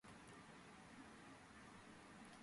მონტესპიერის ჰერცოგინია მამის გარდაცვალების შემდეგ.